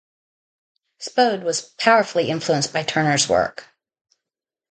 Spode was powerfully influenced by Turner's work.